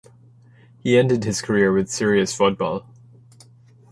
He ended his career with Sirius Fotboll.